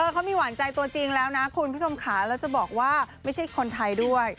เขามีหวานใจตัวจริงแล้วนะคุณผู้ชมค่ะแล้วจะบอกว่าไม่ใช่คนไทยด้วย